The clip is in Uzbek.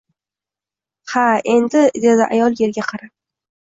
Ha endi… dedi ayol yerga qarab